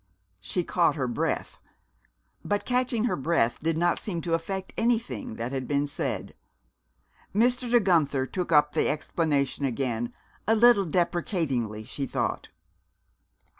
She caught her breath. But catching her breath did not seem to affect anything that had been said. Mr. De Guenther took up the explanation again, a little deprecatingly, she thought.